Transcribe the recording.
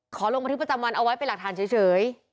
ลงบันทึกประจำวันเอาไว้เป็นหลักฐานเฉย